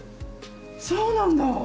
そうなんだ！